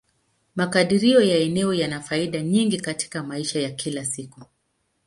Makadirio ya eneo yana faida nyingi katika maisha ya kila siku.